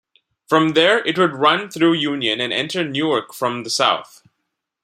From there it would run through Union and enter Newark from the south.